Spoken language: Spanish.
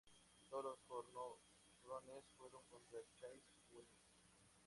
Todos los jonrones fueron contra "Chase Wright".